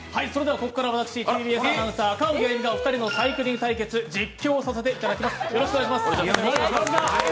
ここからは私、ＴＢＳアナウンサー・赤荻歩がお二人のサイクリング対決実況させていただきます。